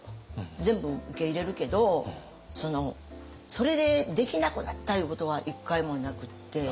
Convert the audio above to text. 全部受け入れるけどそれでできなくなったいうことは一回もなくって。